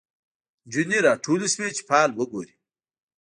نجونې راټولي شوی چي فال وګوري